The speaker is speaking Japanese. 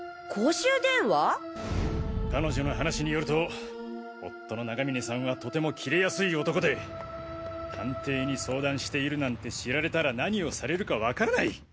彼女の話によると夫の永峰さんはとてもキレやすい男で探偵に相談しているなんて知られたら何をされるかわからない。